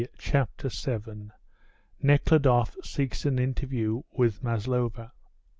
CHAPTER VII. NEKHLUDOFF SEEKS AN INTERVIEW WITH MASLOVA.